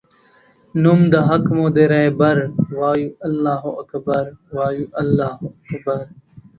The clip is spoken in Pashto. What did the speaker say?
نوم د حق مودی رهبر وایو الله اکبر وایو الله اکبر